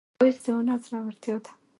ښایست د هنر زړورتیا ده